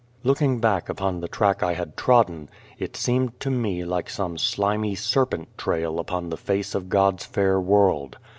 Looking back upon the track I had trodden, it seemed to me like some slimy serpent trail upon the face of God's fair world.